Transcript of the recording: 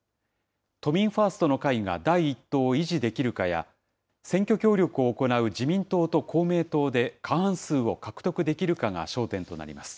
都民ファーストの会が第１党を維持できるかや選挙協力を行う自民党と公明党で過半数を獲得できるかが焦点となります。